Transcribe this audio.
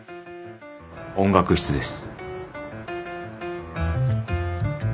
音楽室です。